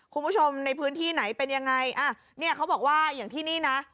คุณผู้ชมในพื้นที่ไหนเป็นยังไงอ่ะเนี่ยเขาบอกว่าอย่างที่นี่นะ